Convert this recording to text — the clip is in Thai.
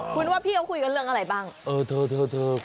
คุณว่าพ่อคุยกันเรื่องอะไรบ้างโอ้โท